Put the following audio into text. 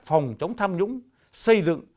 phòng chống tham nhũng xây dựng